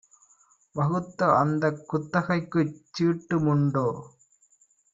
வகுத்தஅந்தக் குத்தகைக்குச் சீட்டுமுண்டோ